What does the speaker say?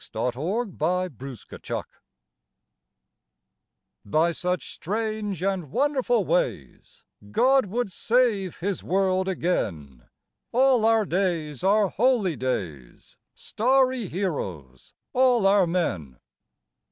THE HEROES 49 THE HEROES BY such strange and wonderful ways God would save His world again. All our days are holy days, Starry heroes all our men.